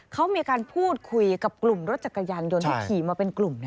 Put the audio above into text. เขามีการพูดคุยกับกลุ่มรถจักรยานยนต์ที่ขี่มาเป็นกลุ่ม